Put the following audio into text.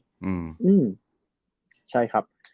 อืมใช่ครับ